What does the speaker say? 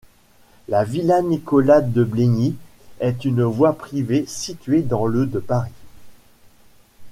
La villa Nicolas-de-Blégny est une voie privée située dans le de Paris.